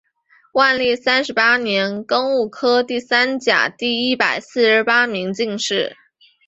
万历三十八年庚戌科第三甲第一百四十八名进士。